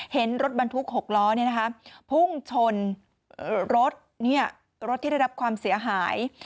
เห็นรถบรรทุก๖ล้อพุ่งชนรถรถที่ได้รับความเสียหาย